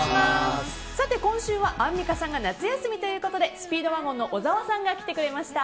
今週はアンミカさんが夏休みということでスピードワゴンの小沢さんが来てくれました。